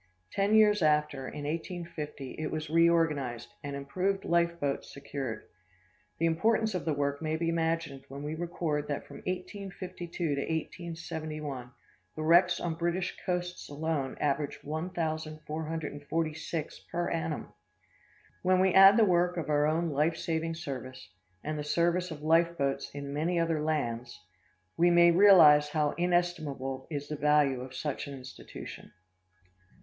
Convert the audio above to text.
Ten years after, in 1850, it was reorganized, and improved life boats secured. The importance of the work may be imagined when we record that from 1852 to 1871, the wrecks on British coasts alone averaged one thousand four hundred and forty six per annum! When we add the work of our own life saving service, and the service of life boats in many other lands, we may realize how inestimable is the value of such an institution. [Illustration: THE LIFE BOAT AT WORK.